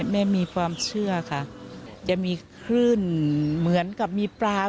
แม่มีความเชื่อค่ะจะมีคลื่นเหมือนกับมีปลา